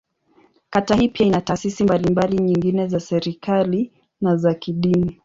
Kata hii pia ina taasisi mbalimbali nyingine za serikali, na za kidini.